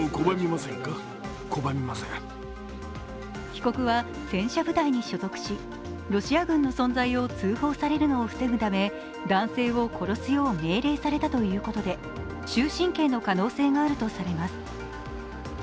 被告は戦車部隊に所属し、ロシア軍の存在を通報されるのを防ぐため男性を殺すよう命令されたということで、終身刑の可能性があるとされます。